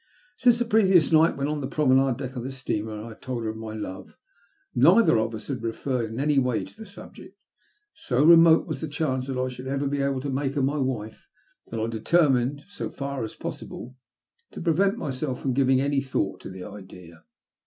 Since the previous night, when on the promenade deck of the steamer I had told her of my love, neither of as had referred in any way to the subject. So remote was the chance that I should ever be able to make her my wife that I determined, so far as possible, to prevent myself from giving any thought to the idea.